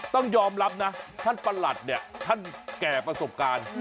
ต้องยอมรับนะท่านประหลัดเนี่ยท่านแก่ประสบการณ์